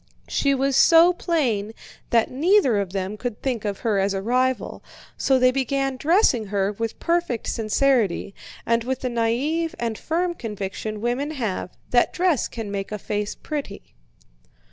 She was so plain that neither of them could think of her as a rival, so they began dressing her with perfect sincerity, and with the naïve and firm conviction women have that dress can make a face pretty.